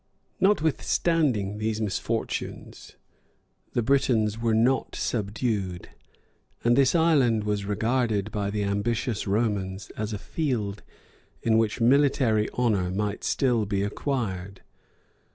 ] Notwithstanding these misfortunes, the Britons were not subdued; and this island was regarded by the ambitious Romans as a field in which military honor might still be acquired. [A. D.